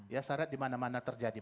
ya syarat dimana mana terjadi